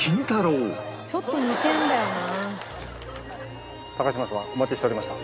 ちょっと似てるんだよな。